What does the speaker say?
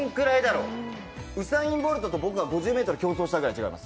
ウサイン・ボルトと僕が５０ｍ競争したぐらい違います。